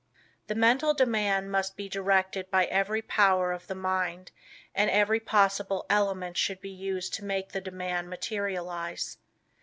The mental demand must be directed by every power of the mind and every possible element should be used to make the demand materialize.